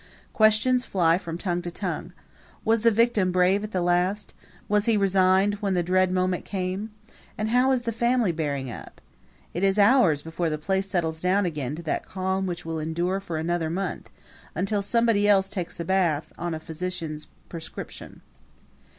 Questions fly from tongue to tongue. Was the victim brave at the last? Was he resigned when the dread moment came? And how is the family bearing up? It is hours before the place settles down again to that calm which will endure for another month, until somebody else takes a bath on a physician's prescription.